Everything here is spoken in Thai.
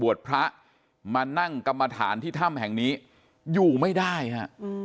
พระมานั่งกรรมฐานที่ถ้ำแห่งนี้อยู่ไม่ได้ฮะ